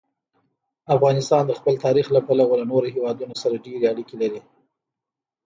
افغانستان د خپل تاریخ له پلوه له نورو هېوادونو سره ډېرې اړیکې لري.